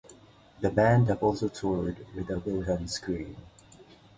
The band have also toured with A Wilhelm Scream.